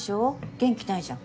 元気ないじゃん。